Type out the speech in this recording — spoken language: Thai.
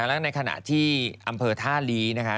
แล้วในขณะที่อำเภอท่าลี